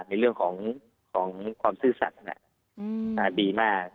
ในเรื่องของความซื่อสัตว์ดีมาก